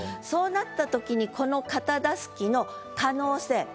そうなったときにこの「片襷」の可能性。